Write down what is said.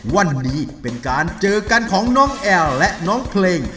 วันนี้เป็นการเจอกันของน้องแอลและน้องเพลง